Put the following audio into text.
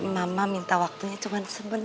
mama minta waktunya cuman sebenernya